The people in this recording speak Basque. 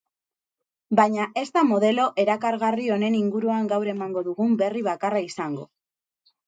Baina ez da modelo erakargarri honen inguruan gaur emango dugun berri bakarra izango.